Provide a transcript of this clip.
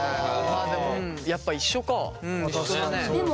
まあでもやっぱ一緒か。